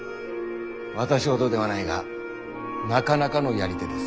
私ほどではないがなかなかのやり手です。